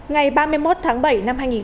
ngày ba mươi một tháng bảy